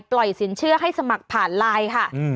สินเชื่อให้สมัครผ่านไลน์ค่ะ